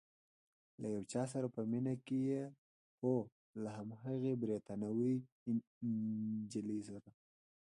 له یو چا سره په مینه کې یې؟ هو، له هماغې بریتانوۍ نجلۍ سره؟